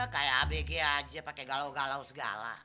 kayak abg aja pakai galau galau segala